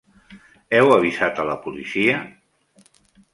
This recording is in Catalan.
Heu avisat a la policia?